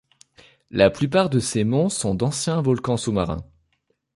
La plupart de ces monts sont d'anciens volcans sous-marins.